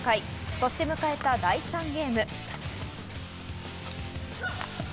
そして迎えた第３ゲーム。